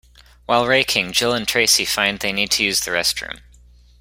While raking, Jill and Tracy find they need to use the restroom.